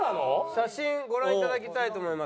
写真ご覧頂きたいと思います。